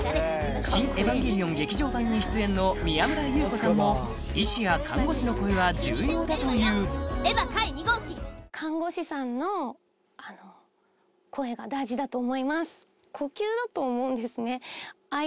「シン・エヴァンゲリオン劇場版」に出演の宮村優子さんも医師や看護師の声は重要だというだと思います